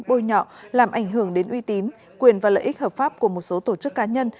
bôi nhọ làm ảnh hưởng đến uy tín quyền và lợi ích hợp pháp của một số tổ chức cá nhân